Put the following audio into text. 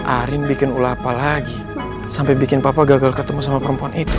arin bikin ulapa lagi sampai bikin papa gagal ketemu sama perempuan itu